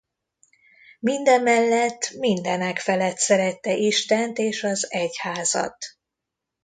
Mindemellett mindenek felett szerette Istent és az egyházat.